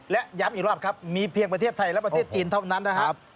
และย้ำอีกรอบครับมีเพียงประเทศไทยและประเทศจีนเท่านั้นนะครับ